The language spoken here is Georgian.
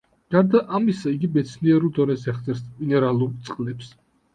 გარდა ამისა, იგი მეცნიერულ დონეზე აღწერს მინერალურ წყლებს.